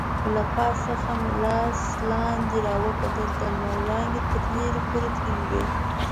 له پاس څخه مې لاندې راوکتل، د لمر وړانګې تر لرې پورې تللې وې.